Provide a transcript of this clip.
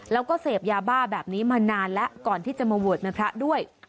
แล้วก็เสพยาบ้าแบบนี้มานานแล้วก่อนที่จะมาบวชเป็นพระด้วย